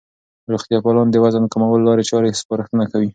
روغتیا پالان د وزن د کمولو لارې چارې سپارښتنه کوي.